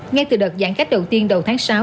ngay từ đợt giãn cách đầu tiên đầu tháng sáu